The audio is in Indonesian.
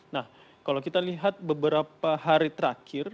nah kalau kita lihat beberapa hari terakhir